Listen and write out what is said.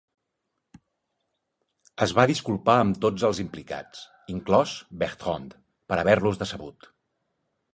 Es va disculpar amb tots els implicats, inclòs Bertrande, per haver-los decebut.